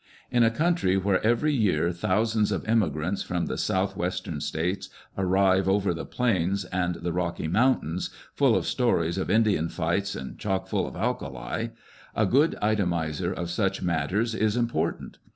In a country where every jear thousands of emigrants from the south western states arrive over the " plains" and the Rocky Mountains, full of stories of Indian fights, and " chock full of alkali," a good itemiser of such matters is important.